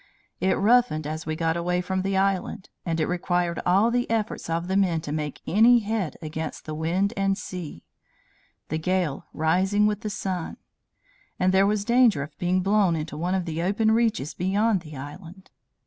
It roughened as we got away from the island, and it required all the efforts of the men to make any head against the wind and sea; the gale rising with the sun; and there was danger of being blown into one of the open reaches beyond the island.